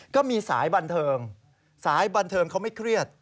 ก็มีสายบันเทิงสายบันเทิงเขาไม่เครียด